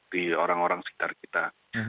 di orang orang sekitar kita